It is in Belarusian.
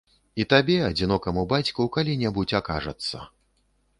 І табе, адзінокаму бацьку, калі-небудзь акажацца.